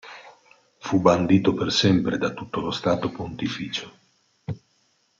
Fu bandito per sempre da tutto lo Stato Pontificio.